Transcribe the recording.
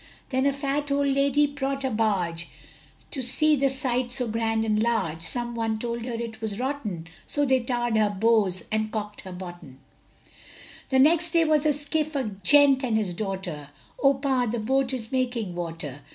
Then a fat old lady bought a barge To see the sight so grand and large, Some one told her it was rotten, So they tarr'd her bows and cork'd her bottom. The next was a skiff, a gent and his daughter Oh Pa' the boat is making water!